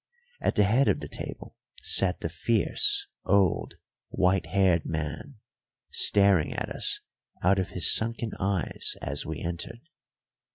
At the head of the table sat the fierce old white haired man, staring at us out of his sunken eyes as we entered.